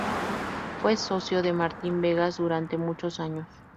Fue socio de Martín Vegas durante muchos años.